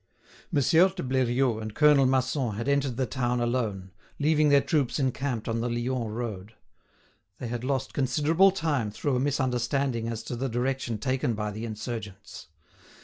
Monsieur de Bleriot and Colonel Masson had entered the town alone, leaving their troops encamped on the Lyons road. They had lost considerable time through a misunderstanding as to the direction taken by the insurgents.